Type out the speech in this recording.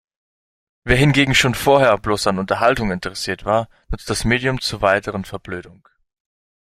Wer hingegen schon vorher bloß an Unterhaltung interessiert war, nutzt das Medium zur weiteren Verblödung.